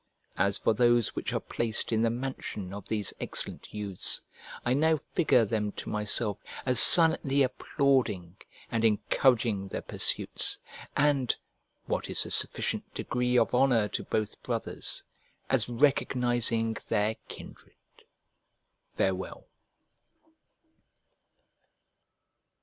As for those which are placed in the mansion of these excellent youths, I now figure them to myself as silently applauding and encouraging their pursuits, and (what is a sufficient degree of honour to both brothers) as recognizing their kindred. Farewell.